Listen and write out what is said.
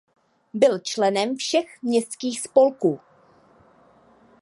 Byl členem všech městských spolků.